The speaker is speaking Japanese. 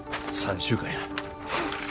３週間や。